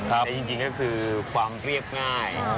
แต่จริงก็คือความเรียบง่าย